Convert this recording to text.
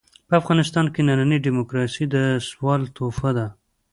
په افغانستان کې ننۍ ډيموکراسي د سوال تحفه ده.